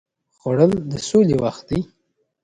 خوړل د سولې وخت دی